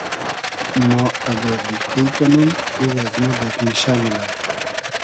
ما اگۂ دیقی کئنوم او از مۂ بېگنیشۂ مونۂ